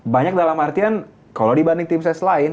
banyak dalam artian kalo dibanding tim saya selain